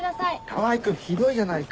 川合君ひどいじゃないか。